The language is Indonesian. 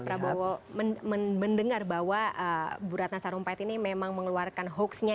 setelah pak prabowo mendengar bahwa bu ratna sarumpet ini memang mengeluarkan hoax nya